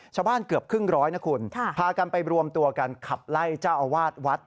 เกือบครึ่งร้อยนะคุณพากันไปรวมตัวกันขับไล่เจ้าอาวาสวัด